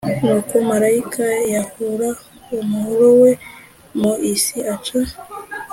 nuko marayika yahura umuhoro we mu isi aca